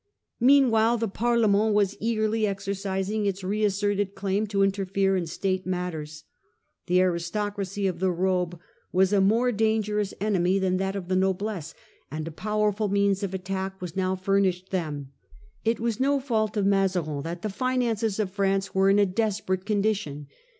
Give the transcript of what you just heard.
Meanwhile the Parlemcnt was eagerly exercising its reasserted claim to interfere in State matters. of P the ll0n The aristocracy of the robe was a more Pariement. dangerous enemy than that of the noblesse , and a powerful means of attack was now furnished them. It was no fault of Mazarin that the finances of France were in a desperate condition.